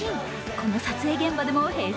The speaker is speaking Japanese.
この撮影現場でもＨｅｙ！